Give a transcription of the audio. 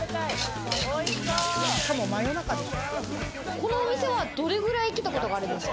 このお店はどれくらい来たことがあるんですか？